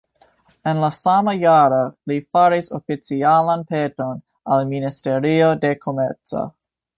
En la sama jaro li faris oficialan peton al Ministerio de Komerco.